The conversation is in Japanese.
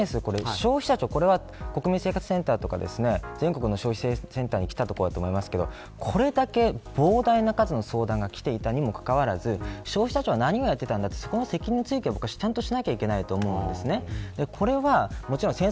消費者庁、国民生活センターとか全国の消費センターに来たところだと思いますがこれだけ膨大な数の相談がきていたにもかかわらず消費者庁は何をやっていたんだってそこの責任追及をしなきゃいけないと思います。